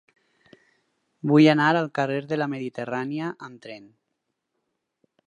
Vull anar al carrer de la Mediterrània amb tren.